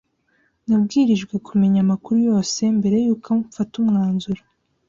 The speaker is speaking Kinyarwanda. Nabwirijwe kumenya amakuru yose mbere yuko mfata umwanzuro.